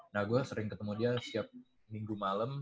nah gue sering ketemu dia siap minggu malem